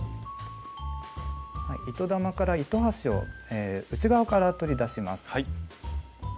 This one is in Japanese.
糸玉から糸端を内側から取り出します。